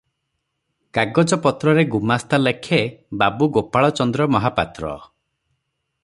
କାଗଜପତ୍ରରେ ଗୁମାସ୍ତା ଲେଖେ, 'ବାବୁ ଗୋପାଳ ଚନ୍ଦ୍ର ମହାପାତ୍ର' ।